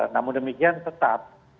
namun demikian tetap